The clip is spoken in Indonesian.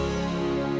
aduh kebentur lagi